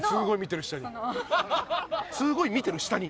すごい見てる下に。